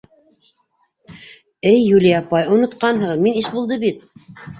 — Эй Юлия апай, онотҡанһығыҙ, мин Ишбулды бит.